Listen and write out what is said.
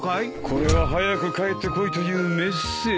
これは早く帰ってこいというメッセージだ。